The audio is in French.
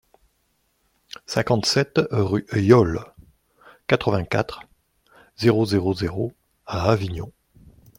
cinquante-sept rue Yole, quatre-vingt-quatre, zéro zéro zéro à Avignon